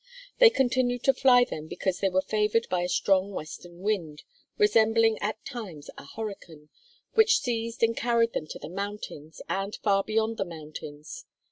They continued to fly them because they were favored by a strong western wind, resembling at times a hurricane, which seized and carried them to the mountains and far beyond the mountains.